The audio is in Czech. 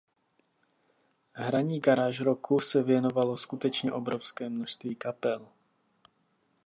Hraní garage rocku se věnovalo skutečně obrovské množství kapel.